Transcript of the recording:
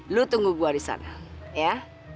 lu tunggu gue di sana ya